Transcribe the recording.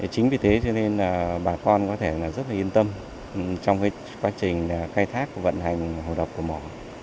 chính vì thế cho nên bà con có thể rất yên tâm trong quá trình khai thác vận hành hồ đập cửa mỏ